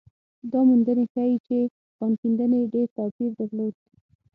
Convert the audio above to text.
دا موندنې ښيي چې کان کیندنې ډېر توپیر درلود.